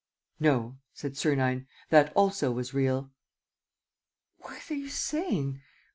..." "No," said Sernine. "That also was real." "What are you saying?